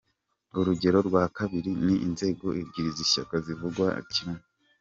Urugero rwa kabiri ni inzego ebyiri z’ishyaka zivugwa kimwe.